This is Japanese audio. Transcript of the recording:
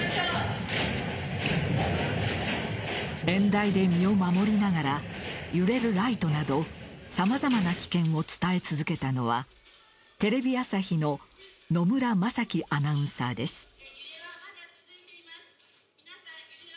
演台で身を守りながら揺れるライトなどさまざまな危険を伝え続けたのはテレビ朝日の野村真季アナウンサーです。